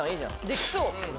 できそう。